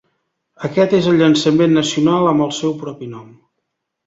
Aquest és el llançament nacional amb el seu propi nom.